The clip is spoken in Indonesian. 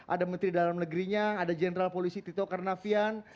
ada menteri dalam negerinya ada jenderal polisi tito karnavian